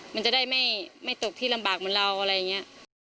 มันจะได้ไม่ตกที่ลำบากเหมือนเราอะไรอย่างนี้